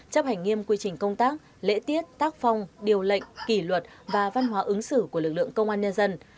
chấp hành nghiêm quy trình công tác lễ tiết tác phong điều lệnh kỷ luật và văn hóa ứng xử của lực lượng công an nhân dân